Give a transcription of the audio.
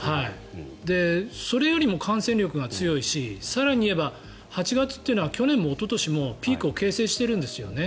それよりも感染力が強いし更に言えば８月というのは去年もおととしもピークを形成しているんですよね。